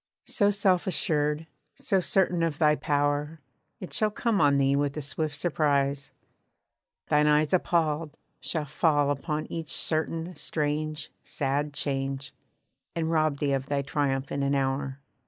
So self assured, so certain of thy power, It shall come on thee with a swift surprise. Thine eyes Appalled, shall fall upon each certain, strange, sad change, And rob thee of thy triumph in an hour.